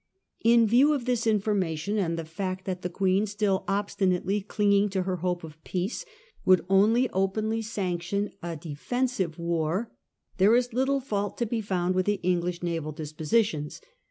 In view of this information and the fact that the Queen, still obstinately clinging to her hope of peace, would only openly sanction a defensive war, there is little fault to be found with the English naval dispositions.